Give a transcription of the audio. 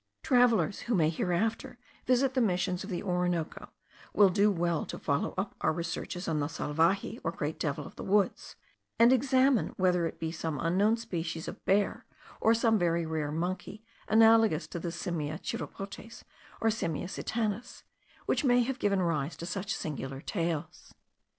Travellers who may hereafter visit the missions of the Orinoco will do well to follow up our researches on the salvaje or great devil of the woods; and examine whether it be some unknown species of bear, or some very rare monkey analogous to the Simia chiropotes, or Simia satanas, which may have given rise to such singular tales.